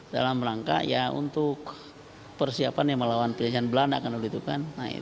dalam rangka untuk persiapan melawan perjanjian belanda